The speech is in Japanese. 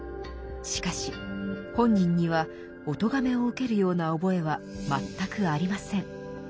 しかし本人にはおとがめを受けるような覚えは全くありません。